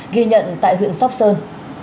ghi nhận tại huyện sóc sơn